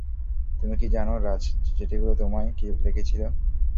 তুমি কি জানো রাজ চিঠিগুলো তোমায়, কে লিখেছিল?